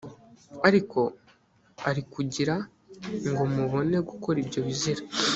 ariko ari ukugira ngo mubone gukora ibyo bizira